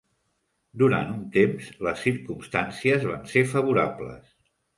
Durant un temps, les circumstàncies van ser favorables.